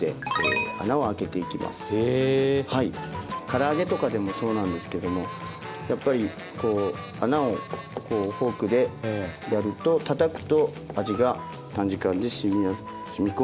から揚げとかでもそうなんですけどもやっぱりこう穴をフォークでやるとたたくと味が短時間でしみこみやすいということなので。